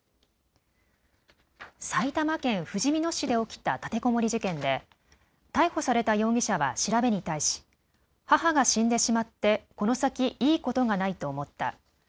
埼玉県ふじみ野市で起きた立てこもり事件で、逮捕された容疑者は調べに対し母が死んでしまってこの先いいことがないと思った。